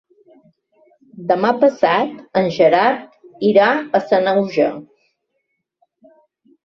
Demà passat en Gerard irà a Sanaüja.